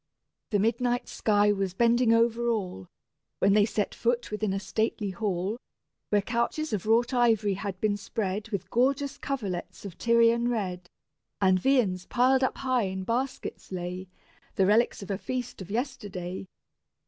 The midnight sky was bending over all, When they set foot within a stately hall, Where couches of wrought ivory had been spread With gorgeous coverlets of Tyrian red, And viands piled up high in baskets lay, The relics of a feast of yesterday.